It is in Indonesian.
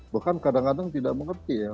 bahkan kadang kadang tidak mengerti ya